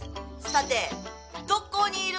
さて。